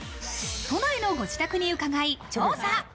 都内のご自宅に伺い、調査。